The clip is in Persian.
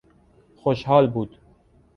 خوشحال بود